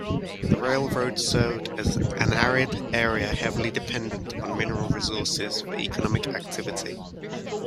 The railroad served an arid area heavily dependent on mineral resources for economic activity.